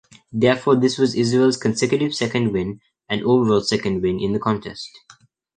Therefore, this was Israel's consecutive second win, and overall second win, in the contest.